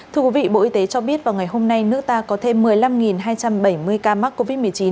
thưa quý vị bộ y tế cho biết vào ngày hôm nay nước ta có thêm một mươi năm hai trăm bảy mươi ca mắc covid một mươi chín